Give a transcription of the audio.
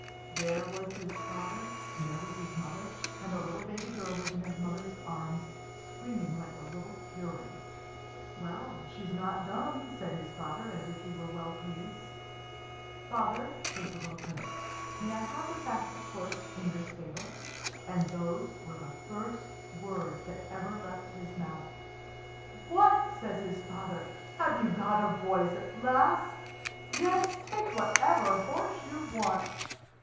There was his father, and there was his mother, and a little baby girl was in his mother's arms, screaming like a little fury. "Well, she's not dumb," said his father, as if he were well pleased. "Father," says the little Prince, "may I have the fastest horse in the stable?" And those were the first words that ever left his mouth. "What!" says his father, "have you got a voice at last? Yes, take whatever horse you want.